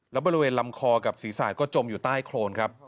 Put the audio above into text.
แล้วบริเวณลำคอกับศีรษะก็จมอยู่ใต้โครนครับ